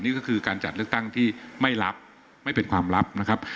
นี่ก็คือการจัดเลือกตั้งที่ไม่รับไม่เป็นความลับนะครับ